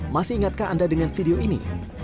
masih ingatkah anda dengan video ini